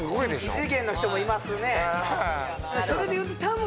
異次元の人もいますね